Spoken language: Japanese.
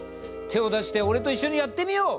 手を出してオレと一緒にやってみよう！